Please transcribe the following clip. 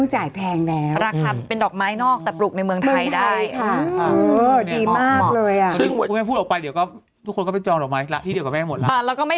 ฝีมือของคุณแม่ต้องจัดออกมาเป็นช่อไงมันทำไม่ได้ไง